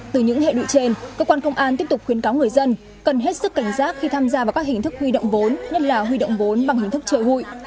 từ những hệ lụy trên cơ quan công an tiếp tục khuyến cáo người dân cần hết sức cảnh giác khi tham gia vào các hình thức huy động vốn nhất là huy động vốn bằng hình thức trợ hụi